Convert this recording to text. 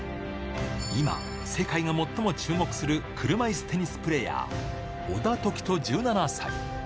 今、世界が最も注目する車いすテニスプレーヤー、小田凱人１７歳。